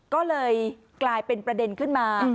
ก็เลยกลายเป็นประเด็นขึ้นมา